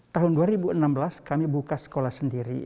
tahun dua ribu enam belas kami buka sekolah sendiri